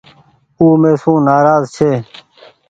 او مي سون نآراز ڇي۔